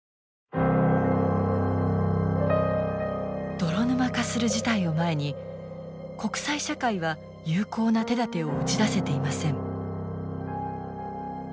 泥沼化する事態を前に国際社会は有効な手だてを打ち出せていません。